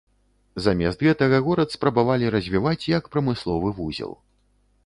Замест гэтага, горад спрабавалі развіваць як прамысловы вузел.